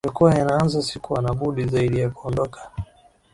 yalikuwa yanaanza Sikuwa na budi zaidi ya kuondoka